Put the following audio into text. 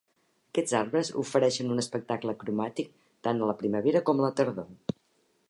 Aquests arbres ofereixen un espectacle cromàtic tant a la primavera com a la tardor.